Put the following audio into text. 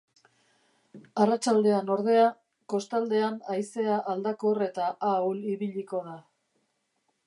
Arratsaldean, ordea, kostaldean haizea aldakor eta ahul ibiliko da.